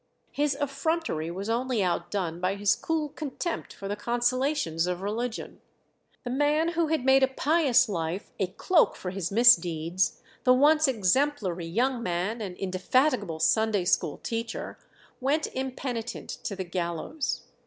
His effrontery was only outdone by his cool contempt for the consolations of religion. The man who had made a pious life a cloak for his misdeeds, the once exemplary young man and indefatigable Sunday School teacher, went impenitent to the gallows.